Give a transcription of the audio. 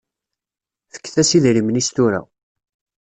Fket-as idrimen-is tura.